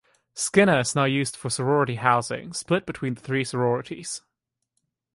Skinner is now used for sorority housing, split between the three sororities.